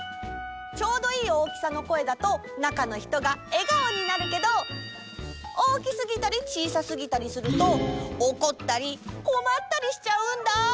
ちょうどいい大きさの声だとなかのひとがえがおになるけど大きすぎたりちいさすぎたりするとおこったりこまったりしちゃうんだ。